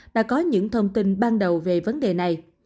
đã có những thông tin ban đầu về vấn đề này